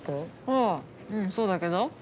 あうんそうだけど？